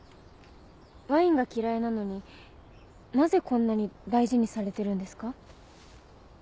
ワインが嫌いなのになぜこんなに大事にされてるんですか？